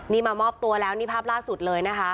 นี่มามอบตัวแล้วนี่ภาพล่าสุดเลยนะคะ